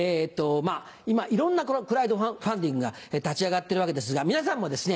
今いろんなクラウドファンディングが立ち上がってるわけですが皆さんもですね